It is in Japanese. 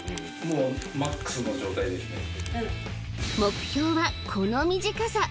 うん目標はこの短さ